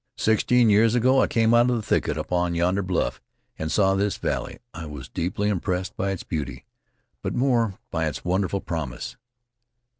"Sixteen years ago I came out of the thicket upon yonder bluff, and saw this valley. I was deeply impressed by its beauty, but more by its wonderful promise."